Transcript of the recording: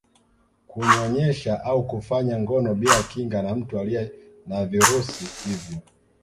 kunyonyesha au kufanya ngono bila kinga na mtu aliye na virusi hivyo